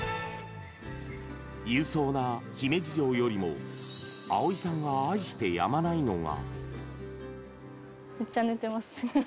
勇壮な姫路城よりも、碧泉さんが愛してやまないのが。